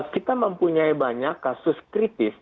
kita mempunyai banyak kasus kritis